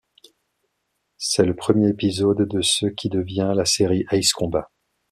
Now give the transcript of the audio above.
C'est le premier épisode de ce qui devient la série Ace Combat.